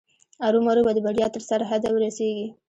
ارومرو به د بریا تر سرحده رسېږي.